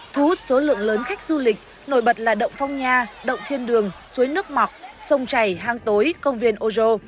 thú số lượng lớn khách du lịch nổi bật là động phong nha động thiên đường suối nước mọc sông chày hang tối công viên ojo